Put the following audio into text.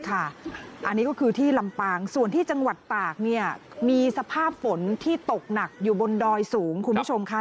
อันนี้ก็คือที่ลำปางส่วนที่จังหวัดตากมีสภาพฝนที่ตกหนักอยู่บนดอยสูงคุณผู้ชมค่ะ